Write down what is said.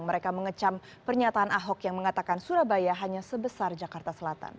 mereka mengecam pernyataan ahok yang mengatakan surabaya hanya sebesar jakarta selatan